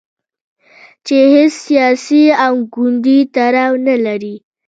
چې هیڅ سیاسي او ګوندي تړاو نه لري.